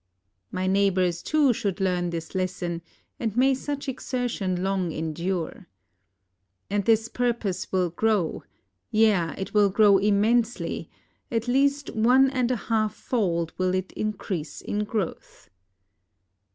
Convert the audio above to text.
My neighbors too should learn this lesson; and may such exertion long endure! And this purpose will grow — yea, it will grow im mensely — at least one and a half fold will it increase in growth.